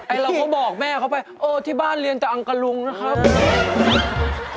เราก็บอกแม่เขาไปโอ้ที่บ้านเรียนแต่อังกะลุงนะครับ